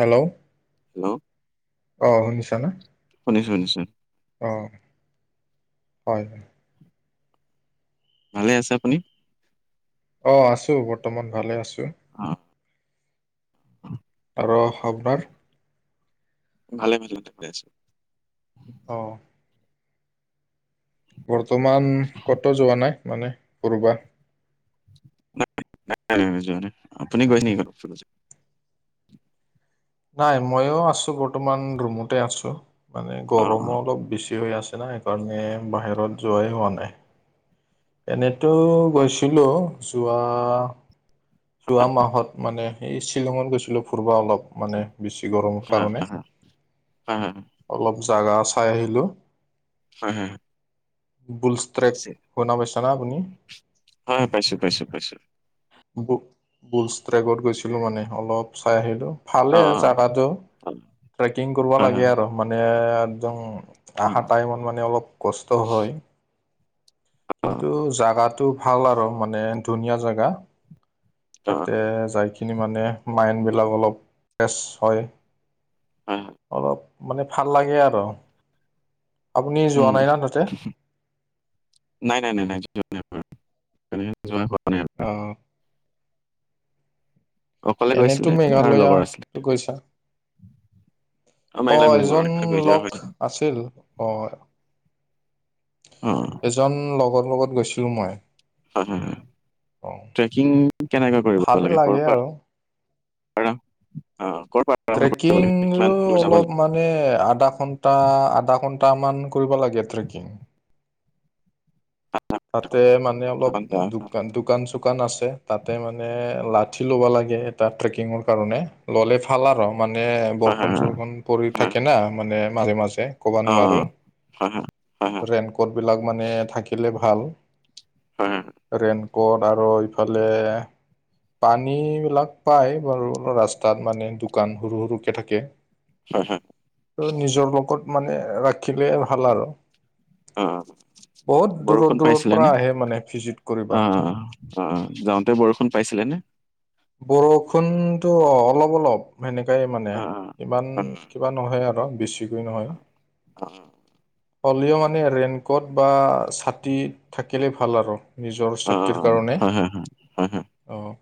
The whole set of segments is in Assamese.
হেল্ল'? হেল্ল'? অ শুনিছো নে? শুনিছোঁ শুনিছোঁ। অ হয় হয়। ভালে আছে আপুনি? অ আছো বৰ্তমান ভালে আছো। [unintelligible] আৰু অসকবাৰ। ভালে [unintelligible] অ। বৰ্তমান ক'ত যোৱা নাই মানে ঘুৰবা? নাই নাই মই যোৱা নাই আপনি গৈছে [unintelligible] নাই মইও আছো বৰ্তমান ৰুমতে আছো। মানে অ গৰমো অলপ বেছি হৈ আছে না কাৰণে বাহিৰত যোৱাই হোৱা নাই। এনেতো অ গৈছিলোঁ যোৱা যোৱা মাহত মানে এই শ্বিলঙত গৈছিলোঁ ঘুৰবা অলপ মানে বেছি গৰমৰ হয় কাৰণে হয় হয় অলপ জাগা চাই আহিলোঁ। হয় হয়। বুলচট্ৰেক শুনা পাইছা না আপুনি? হয় হয় পাইছোঁ পাইছোঁ পাইছোঁ। বু-বুলচট্ৰেগত গৈছিলো মানে অলপ চাই আহিলো। অ অ ভালেই জাগাটো, অ, ট্ৰেকিং কৰিব হয় হয় লাগে হয়। আৰু মানে একদম অ অহা টাইমত মানে অলপ কষ্ট হয়। অ কিন্তু জোগাটো ভাল আৰু মানে ধুনীয়া জেগা অ তাতে যাইখিনি মানে মাইণ্ডবিলাক অলপ ফ্ৰেছ হয়। হয় হয় অলপ মানে ভাল লাগে আৰু। আপুনি যোৱা উম। নাই না তাতে? নাই-নাই-নাই-নাই যোৱা নাই বাৰু যোৱা হোৱা নাই আৰু। অ। অকলে এনেতো গৈছিলে আৰু মেঘালয়া লগৰ আছিলে গৈছা? অ মেঘলা গৈছোঁ বাৰু এজন মেঘলা গৈ যোৱা লগ হৈছিলে আছে ছিল অ অ এজন লগৰ লগত গৈছিলো মই। হয়-হয়-হয় অ ট্ৰেকিং কেনেকৈ কৰিব ভালে লাগে কৰ' পৰা আৰু [unintelligible] কৰিব লাগে কিমান ট্ৰেকিংৰো দূৰ যাব অলপ লাগে মানে আধা ঘন্টা, আধা ঘন্টামান কৰিব লাগে ট্ৰেকিং। তাতে মানে অলপ দোকান দোকান-চোকা দোকান আছে। তাতে মানে লাঠি ল'ব লাগে এটা ট্ৰেকিংৰ কাৰণে ল'লে ভাল আৰ। মানে ফা- বৰুষুন-চৰষুণ পৰি থাকে না মানে মাজে মাজে অ অ হয় হয়। ৰেইনকোট বিলাক মানে থাকিলে ভাল। ৰেইন কোট আৰু ইফালে পানী বিলাক পায় বাৰু ৰাস্তাত মানে দোকান সৰু সৰুকে থাকে। হম হুম। ত নিজৰ লগত মানে ৰাখিলে ভাল আৰু। অ। বহুত দূৰৰ বৰষুণ দূৰৰ পাইছিলে পৰা নে? আহে মানে ভিজিট কৰিব। আঁ, অঁ যাওঁতে বৰষুণ পাইছিলেনে? বৰষুণটো অ--অলপ অলপ। সেনেকাই মানে, আহ ইমান কিবা নহয় আৰু বেছিকৈ নহয়। অঁ। হলেও মানে ৰেইনক'ট বা ছাতি থাকিলে ভাল আৰু নিজৰ চেফটিৰ ছেভ কাৰণে। হয় হয় হয় হয় হয় অঁ,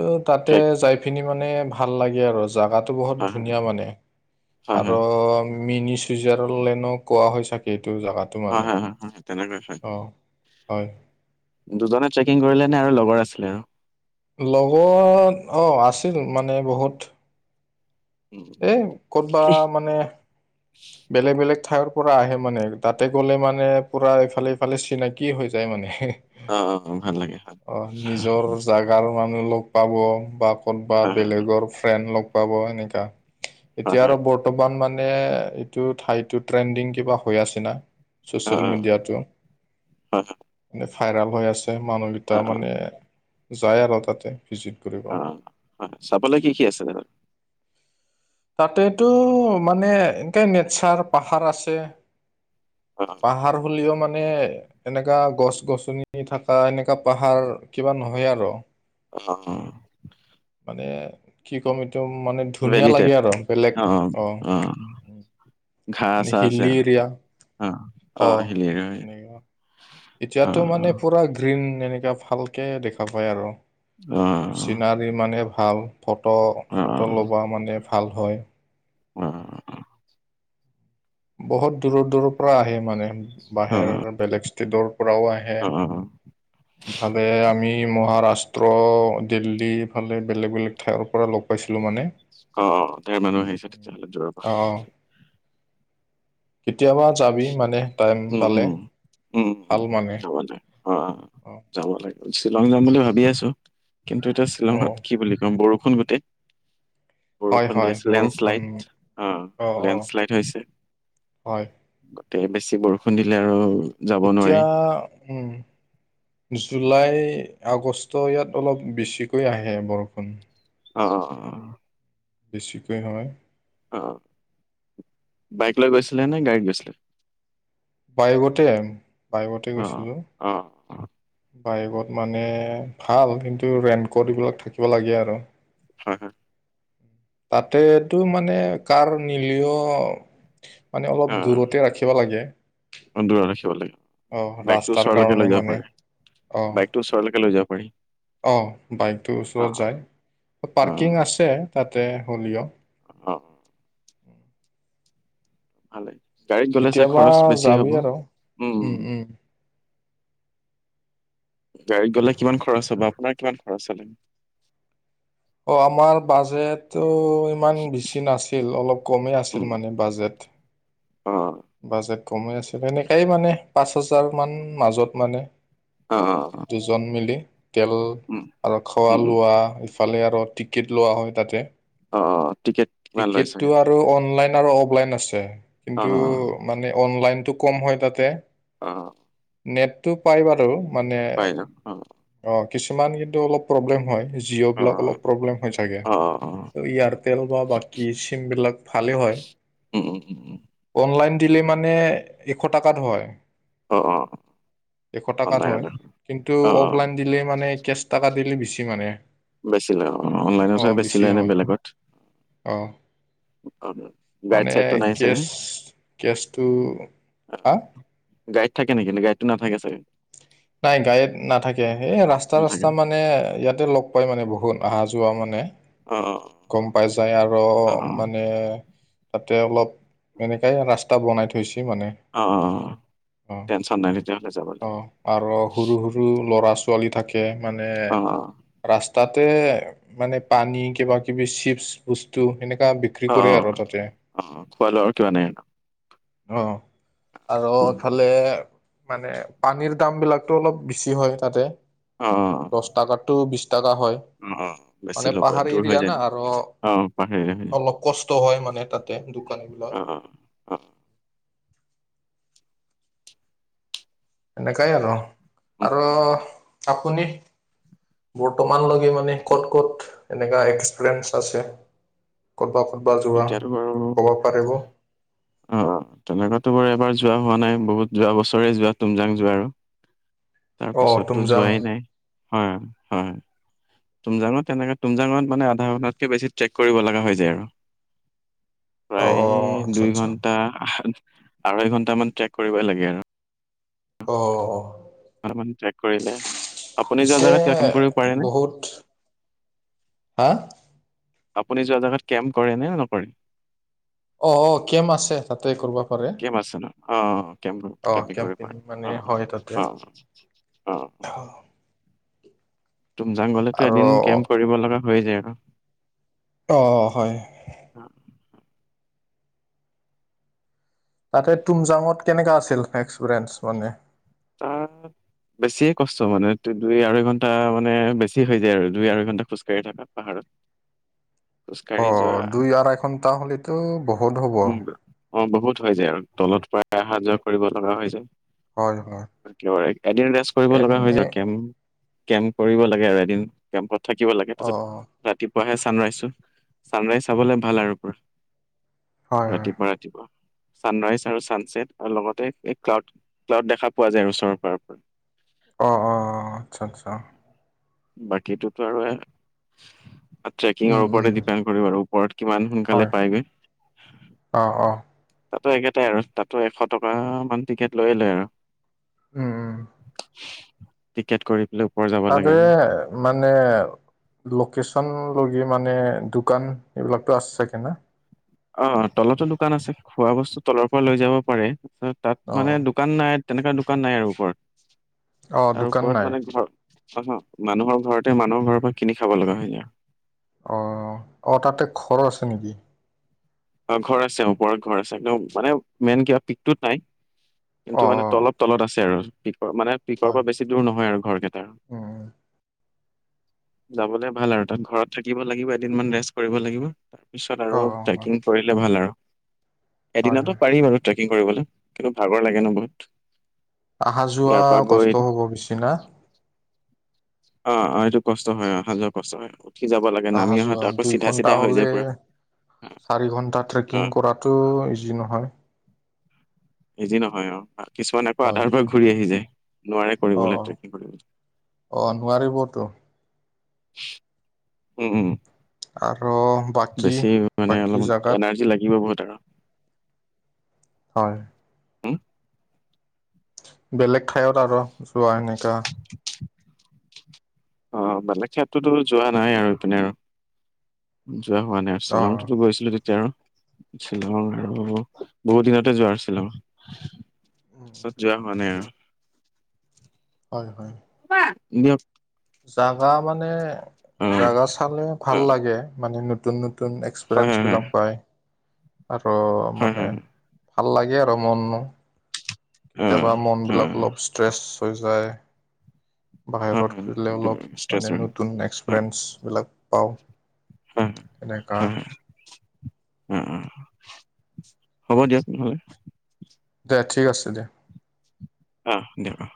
অও তাতে ট্ৰেক যাইপিনি মানে ভাল লাগে আৰু জাগাট্ টো বহুত হয় হয় ধুনীয়া মানে হয় হয় আৰু মিনি চুইজাৰ লেনো মানে কোৱা হয় চাগে এইটো জাগাটো হয় মানে?। হয় হয় হয় তেনেকৈ হয় অঁ, হয়। দুজনে ট্ৰেকিং কৰিলে নে আৰু লগৰ আছিলে আৰু? লগত অঁ, আছিল মানে বহুত। উম, এই ক'ত বা মানে বেলেগ বেলেগ ঠাইৰ পৰা আহে মানে, তাতে গ'লে মানে পুৰা ইফালে ইফালে চিনাকি হৈ যায় মানে হেঁহ্। অ অ অ, ভাল লাগে হয় অহ্, নিজৰ জাগাৰ মানুহ লগ পাব বা ক'ত বা হয় হয় বেলেগৰ ফ্ৰেণ্ড লগ পাব এনেকা। হয় এতিয়া হয় আৰু বৰ্তমান মানে এইটো ঠাইটো ট্ৰেণ্ডিং কিবা হৈ আছে না। অ চ'ছিয়েল অ মেডিয়াটো হয় হয় ভাইৰেল হৈ আছে মানুহ অ তাৰ অ মানে যায় আৰু তাতে ভিজিট কৰিব। অ হয়, চাবলে কি কি আছে বাৰু? তাতেটো মানে এনেকে নেচাৰ পাহাৰ আছে। অ পাহাৰ হ'লেও মানে এনেকা গছ-গছনি থাকা এনেকা পাহাৰ কিবা নহয় আৰু। আমাৰটো মানে কি ক'ম এইটো মানে ধুনীয়া ভেলি টাইপ লাগে আৰু বেলেগ, অঁ। ঘাঁ-চা আছে আৰু এৰিয়া অঁ। অ। অ এতিয়াটো মানে পুৰা গ্ৰী গ্ৰীণ এনেকুৱা ভালকে দেখা পাই আৰু। অঁ। চিনাৰী মানে ভাল, ফটো- অ অ চটো ল'ব মানে ভাল হয়। অঁ, অঁ। বহুত দূৰৰ দূৰৰ পৰা আহে মানে বাহিৰৰো বেলেগ ষ্টেটৰ পৰাও আহে। অ অ ইফালে আমি মহাৰাষ্ট্ৰ, দিল্লী ইফালে বেলেগ বেলেগ ঠাইৰ পৰা লগ পাইছিলোঁ মানে। অঁ, ধেই মানুহ আহিছে তেতিয়া হ'লে দূৰৰ পৰা। অঁ কেতিয়াবা যাবি মানে টাইম উম পালে উম উম উম ভাল মানে। যাব দে অ অ অঁ যাব লাগিব। শ্বিলং যাম বুলি ভাবি আছো কিন্তু এতিয়া অঁ শ্বিলঙত কি বুলি কম বৰষুণ গোটেই হয় বৰষুণ দি হয় আছে। বৰষুণ লেণ্ডশ্লাইড অঁ, লেণ্ডশ্লাইড হৈছে। হয় গোটেই বেছি বৰষুণ দিলে আৰু যাব নোৱাৰি ইতিয়া উম, জুলাই আগষ্ট ইয়াত অলপ বেছিকৈ আহে বৰষুণ। অঁ, অঁ বেছিকৈ হয়। অঁ, বাইক লৈ গৈছিলে নে গাড়ীত গৈছিলে? বাইকতে, বাইকতে অ গৈছিলোঁ। অ অ বাইকত মানে ভাল কিন্তু ৰেনকট এইবিলাক থাকিব লাগে আৰু। হয় হয়। তাতেটো মানে কাৰ নিলিঅ মানে অলপ অ অ দূৰতে ৰাখিব লাগে। দূৰত ৰাখিব লাগে। অ', বাইকটো ৰাস্তাৰ ওচৰলৈকে লৈ কাৰণে যাব মানে পাৰি, অ', বাইকটো ওচৰলৈকে লৈ যাব পাৰি। অ' বাইকটো অ ওচৰত যায়। অ পাৰ্কিং আছে তাতে হলিঅ'। [unintelligible] ভালে, গাড়ীত গ'লে চাগে কেতিয়াবা খৰছ বেছি হ'ব, যাবি আৰু উম, উম। গাড়ীত গ'লে কিমান খৰছ হ'ব আপোনাৰ কিমান খৰচ হ'লে? অ', আমাৰ বাজেটো ইমান বেছি নাছিল অলপ কমেই উম আছিল মানে বাজেট। অ'। বাজেট কমে আছিল, তেনেকাই মানে পাঁচ হাজাৰ মান মাজত মানে অ অ দুজন মিলি তেল উম আৰু খোৱা উম উম লোৱা ফালে আৰু টিকেট লোৱা হয় তাতে, অ টিকেট কিমান লয় চাগে? টিকেটটো আৰ আৰু অনলাইন আৰু অফলাইন আছে, অ কিন্তু মানে অনলাইনটো কম হয় তাতে। অ'। নেটটো পাই বাৰু মানে পাই ন অ অ', কিছুমান কিন্তু অলপ প্ৰব্লেম হয় জিঅ' অ বিলাক অলপ প্ৰব্লেম হয় ছাগে। অ অ অ এয়াৰটেল বা বাকী চিম বিলাক ভালে হয়। উম উম উম উম অনলাইন দিলে মানে এশ টকাত হয়। অ অ এশ টকাত অনলাইনত হয়, দেখোন। কিন্তু অ অ অফলাইন দিলে মানে কেচ টাকা দিলে বেছি মানে। বেছি লয় অ', অনলাইনতহে বেছি লয় এনে বেলেগত। অ অ', গাইদ চাইডটো নাই চাগে? কেছটো, অ হা? গাইড থাকে নেকি? নে গাইডটো নাথাকে চাগে। নাই গাইড নাথাকে এই ৰাস্তা নাথাকে ৰাস্তা ন? মান মানে ইয়াতে লগ পাই মানে বহুত অহা যোৱা মানে। অ', অ'। গম পাই যাই আৰু অ', অ', মানে তাতে অলপ এনেকাই ৰাস্তা বনাই থৈছি মানে। অ', অ', অ', টেনচন নাই তেতিয়াহ'লে যাবলৈ। অ', আৰু সৰু সৰু ল'ৰা ছোৱালী থাকে মানে অ', অ', ৰাস্ত তাতে মানে পানী কিবা কিবি চিপচ বস্তু সেনেকা বি বিক্ৰী অ', কৰে আৰু তাতে, অ', অ', খোৱা লোৱাৰ কিবা নাই? অ', অ'। আৰু এফালে মানে পানীৰ দাম বিলাকটো অলপ বেছি হয় তাতে। অ'। দশ টাকাটো বিশ টাকা হয়। অ', অ', বেছি মানে [unintelligible] [unintelligible] আৰু অ', পাহাৰীয়া হৈ যায়। অলপ কষ্ট হয় মানে তাতে দোকানবিলাক। অ', অ', অ', এনেকাই আৰু, আৰু উম, আপুনি বৰ্তমানলৈ 'মানে ক'ত ক'ত এনেকা এক্সপ্লেইন্স আছে? ক'ত বা এতিয়াতো বাৰু [unintelligible] তেনেকুৱাতো বাৰু এবাৰ যোৱা হোৱা নাই, বহুত যোৱা বছৰেই যোৱা, তুমজাং যোৱা আৰু। অ তাৰপিছতো তুমজাং যোৱাই নাই, হয় হয়। তুমজাঙত তেনেকে তুমজাঙত মানে, আধা ঘণ্টাতকে বেছি ট্ৰেক কৰিব লগা হৈ যায় আৰু। অ প্ৰায় আচ্ছা দুই আচ্ছা ঘন্টা আঢ়ৈ ঘন্টা মান ট্ৰেক কৰিবই লাগে আৰু। [inaudible] অ অ। অলপমান ট্ৰেক কৰিলে আপুনি যোৱা পিছে জেগাত কেম্প কৰিব পাৰে নে বহুত। হা। আপুনি যোৱা জেগাত কেম্প কৰে নে নকৰে? অ অ কেম্প আছে তাতে কৰিব পাৰে কেম্প আছে ন, অ কেম্প কৰোঁ অ কেম্পিং মানে অ হয় তাতে অ অ। তুমজাং গলেতো আৰু এদিন কেম্প কৰিব লগা হৈ যায় আৰু। অঁ হয়। অ, তাতে তুমজাঙত কেনেকা আছিল এক্সপিৰিয়েঞ্চ মানে। তাৰ। বেছিয়ে কষ্ট মানে, দুই আঢৈ ঘণ্টা মানে, বেছি হৈ যায় আৰু দুই আঢৈ ঘণ্টা খোজকাঢ়ি থাকো। পাহাৰত। খোজকাঢ়ি অঁ, যোৱা দুই আঢ়াই ঘণ্টা হ'লেতো বহুত হ'ব। উম অ, বহুত হৈ যায় আৰু তলত প্ৰায় অহা যোৱা কৰিব লগা হৈ যায়। হয় হয়। এদিন ৰেষ্ট কৰিব লগা হৈ এনে যায় কেম কেম্প কৰিব লাগে আৰু এদিন। কেম্পত থাকিব লাগে তাৰপিছত। অ' ৰাতিপুৱাহে চান ৰাইজচো, ছান ৰাইজ চাবলে ভাল আৰু হয় হয় ৰাতিপুৱা ৰাতি। পোৱা ছানৰাইজ আৰু চানছেট আৰু লগতে এই ক্লাউড ক্লাউড দেখা। পোৱা যায় আৰু ওচৰৰ পৰা। অ অ অ আচ্ছা, আচ্ছা। বাকীটো টো আৰু এ, উম ট্ৰেকিঙৰ উম ওপৰতে ডিপেণ্ড কৰিব, ওপৰত কিমান সোনকালে পাইগৈ। অঁ অঁ। তাতো একেটাই আৰু তাতো এশ টকা মান টিকেট লৈ লৈ আৰু। উম উম টিকেট কৰি পেলায়। তাতে, মানে লোকেশচন লগে মানে দোকান এইবিলাকতো আছেচাগে না। অ তলতো দোকান আছে খোৱা বস্তু তলৰ পৰা লৈ যাব পাৰে কিন্তু তাত মানে। অ' দোকান নাই তেনেকুৱা দোকান নাই আৰু ওপৰত অ' তাৰ দোকান ওপৰত নাই মানে ঘৰ। অ মানুহৰ ঘৰতে, মানুহৰ ঘৰৰ পৰা কিনি খাব লগা হয়। অঁ অঁ তাতে ঘৰ আছে নেকি? অ ঘৰ আছে ওপৰত ঘৰ আছে, কি মানে মেইন কিবা পিকটোত নাই অ' কিন্তু মানে অ' তলপ। তলত আছে আৰু পিকৰ মানে পিকৰ হয় পৰা বেছি দূৰ নহয় আৰু ঘৰ কেইটা। উম উম যাবলে ভাল আৰু তাত ঘৰত থাকিব লাগিব এদিন মান ৰেষ্ট কৰিব লাগিব। তাৰ পিছত আৰু অ' অ' হয় ট্ৰেকিং কৰিলে ভাল আৰু হয় এদিনতো হয়। পাৰি বাৰো। ট্ৰেকিং কৰিবলৈ, কিন্তু ভাগৰ লাগে ন বহুত। অহা যোৱা ইয়াৰ পৰা গৈ কষ্ট হ'ব বেছি না। অ অ এইটো কষ্ট হয়, অ অহা যোৱা কষ্ট হয়। উঠি যাব লাগে অহা নামি অহাটো যোৱা আকৌ দুই চিধা ঘন্টা চিধা হৈ হ'লে, যায় পুৰা অ চাৰি ঘন্টা অ। ট্ৰেকিং কৰাত। টো ইজি নহয়। ইজি নহয় অ কিছুমানে আকৌ হয় আধাৰ পৰা ঘূৰি আহি যায়। নোৱাৰে অ কৰিবলৈ ট্ৰেকিং কৰিবলৈ। অ নোৱাৰিবতো উম উম। আৰু বাকী বেছি মানে বাকী অলপমান জাগাত এনাৰ্জি লাগিব বহুত আৰু হয়। উম বেলেগ ঠাইত আৰু যোৱা নাই। অ বেলেগ ঠাইততো যোৱা নাই আৰু ইপিনে আৰু যোৱা হোৱা নাই। অ শ্বিলংটোতো গৈছিলো তেতিয়া আৰু। শ্বিলং আৰু বহুত দিনতে যোৱা শ্বিলং। পিছত যোৱা হোৱা নাই আৰু। হয় হয়। [unintelligible] দিয়ক [inaudible] জাগা মানে অ জাগা চালে ভাল অ লাগে, মানে নতুন নতুন নতুন হয় এক্সপৰিয়েঞ্চ হয় হয় বিলাক পায় আৰু হয় হয় মানে হয় ভাল লাগে আৰু মোৰনো। অ কেতিয়াবা অ মনবিলাক অলপ ষ্ট্ৰেছ হৈ যায়। হয় বাহিৰত হয় ফুৰিলে অলপ ষ্ট্ৰেছ মানে হয় নতুন এক্সপেৰিয়েঞ্চ বিলাক পাওঁ। হো এনেকা হো উম উম, হ'ব দিয়ক তেনেহ'লে। দিয়া ঠিক আছে দিয়া। অৱ দিয়ক আও।